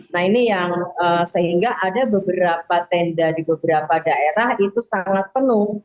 nah ini yang sehingga ada beberapa tenda di beberapa daerah itu sangat penuh